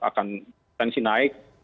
akan pensi naik